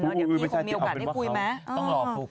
เดี๋ยวพี่คงมีโอกาสได้คุยไหม